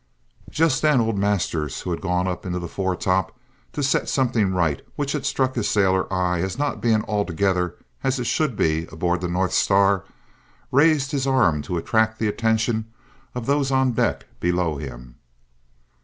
Just then old Masters, who had gone up in the foretop to set something right which had struck his sailor eye as not being altogether as it should be aboard the Star of the North, raised his arm to attract the attention of those on deck below him.